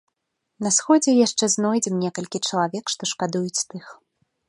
На сходзе яшчэ знойдзем некалькі чалавек, што шкадуюць тых.